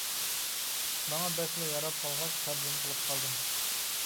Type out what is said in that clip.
ماڭا بەكلا ياراپ قالغاچ تەرجىمە قىلىپ قالدىم.